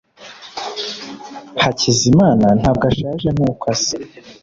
hakizimana ntabwo ashaje nkuko asa